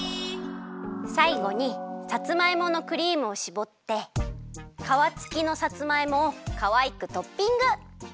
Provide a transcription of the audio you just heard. さいごにさつまいものクリームをしぼってかわつきのさつまいもをかわいくトッピング！